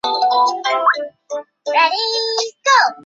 投打习惯为右投右打。